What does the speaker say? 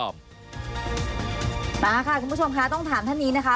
มาค่ะคุณผู้ชมค่ะต้องถามท่านนี้นะคะ